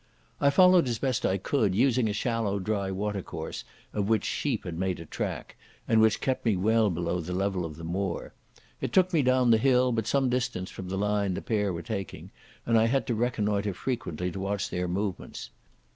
I followed as best I could, using a shallow dry watercourse of which sheep had made a track, and which kept me well below the level of the moor. It took me down the hill, but some distance from the line the pair were taking, and I had to reconnoitre frequently to watch their movements.